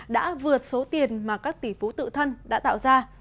đã vượt số tiền mà các tỷ phú tự thân đã tạo ra